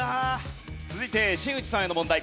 続いて新内さんへの問題。